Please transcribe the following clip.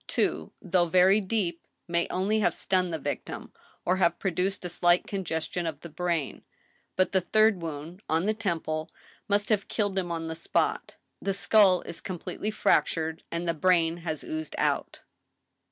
Two, though very deep, may only have stunned the victim, or have produced a slight congestion of the brain ; but the third wound, on the temple, must have killed him on the spot. The skull is com pletely fractured, and the brain has oozed out.